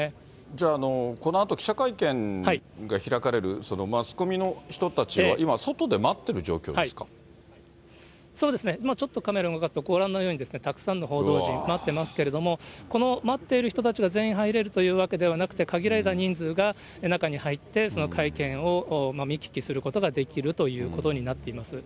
じゃあ、このあと記者会見が開かれる、マスコミの人たちは今、そうですね、もう、ちょっとカメラを動かすと、ご覧のように、たくさんの報道陣、待ってますけれども、この待っている人たちが全員入れるというわけではなくて、限られた人数が中に入って、会見を見聞きすることができるということになっています。